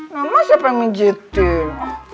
mama siapa yang mijetin